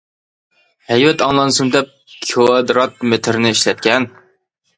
ھەيۋەت ئاڭلانسۇن دەپ كىۋادرات مېتىرنى ئىشلەتكەن.